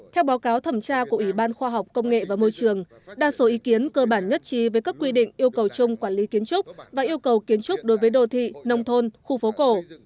theo báo cáo thẩm tra của ủy ban khoa học công nghệ và môi trường đa số ý kiến cơ bản nhất trí với các quy định yêu cầu chung quản lý kiến trúc và yêu cầu kiến trúc đối với đô thị nông thôn khu phố cổ